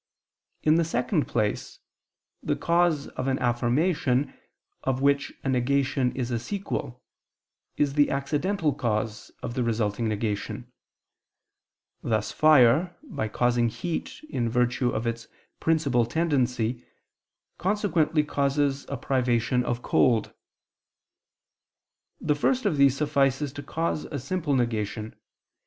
In the second place, the cause of an affirmation, of which a negation is a sequel, is the accidental cause of the resulting negation: thus fire by causing heat in virtue of its principal tendency, consequently causes a privation of cold. The first of these suffices to cause a simple negation.